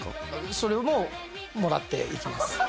それももらっていきます